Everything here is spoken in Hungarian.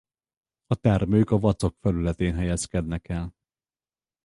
A termők a vacok felületén helyezkednek el.